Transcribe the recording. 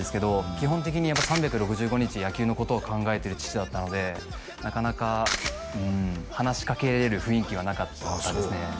基本的に３６５日野球のことを考えてる父だったのでなかなか話しかけれる雰囲気はなかったですねああ